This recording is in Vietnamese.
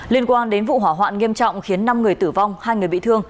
liên quan đến vụ hỏa hoạn nghiêm trọng khiến năm người tử vong hai người bị thương